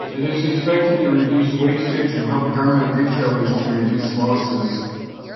It is expected to reduce wastage and help garment retailers to reduce losses.